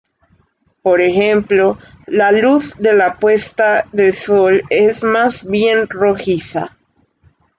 Por ejemplo, la luz de la puesta de sol es más bien rojiza.